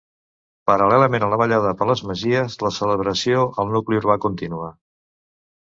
Paral·lelament a la ballada per les masies, la celebració al nucli urbà continua.